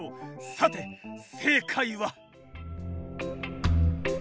さて正解は？